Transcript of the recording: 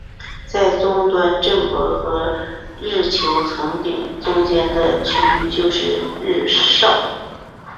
在终端震波和日球层顶中间的区域就是日鞘。